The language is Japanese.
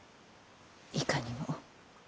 いかにも。